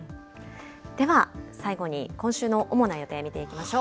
では、最後に今週の主な予定見ていきましょう。